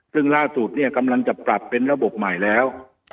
ซึ่งล่าสุดเนี่ยกำลังจะปรับเป็นระบบใหม่แล้ว